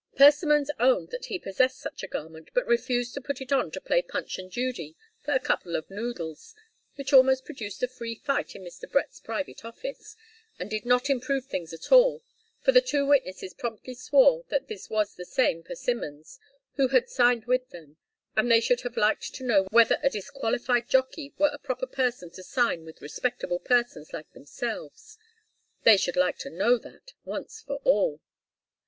Persimmons owned that he possessed such a garment, but refused to put it on to play Punch and Judy for a couple of noodles, which almost produced a free fight in Mr. Brett's private office, and did not improve things at all, for the two witnesses promptly swore that this was the same Persimmons who had signed with them, and they should have liked to know whether a disqualified jockey were a proper person to sign with respectable persons like themselves they should like to know that, once for all.